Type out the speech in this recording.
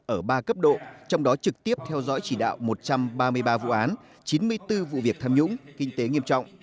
ở ba cấp độ trong đó trực tiếp theo dõi chỉ đạo một trăm ba mươi ba vụ án chín mươi bốn vụ việc tham nhũng kinh tế nghiêm trọng